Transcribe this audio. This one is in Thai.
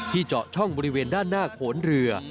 เจาะช่องบริเวณด้านหน้าโขนเรือ